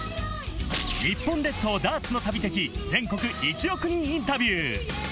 日本列島ダーツの旅的全国１億人インタビュー。